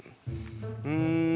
うん。